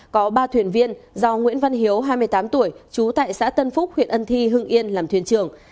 có ba thuyền viên do nguyễn văn hiếu hai mươi tám tuổi trú tại xã tân phúc huyện ân thi hương yên làm thuyền trưởng